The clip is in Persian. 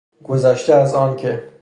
گذشته از آن که...